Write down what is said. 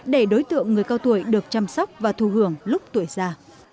để đối tượng người cao tuổi được chăm sóc và thu hưởng lúc tuổi già